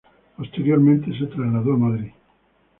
Posteriormente, se trasladó a Madrid.